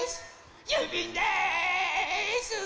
ゆうびんです。